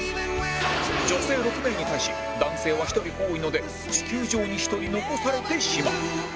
女性６名に対し男性は１人多いので地球上に１人残されてしまう